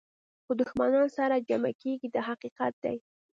خو دښمنان سره جمع کېږي دا حقیقت دی.